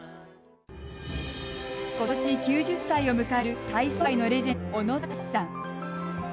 ことし９０歳を迎える体操界のレジェンド小野喬さん。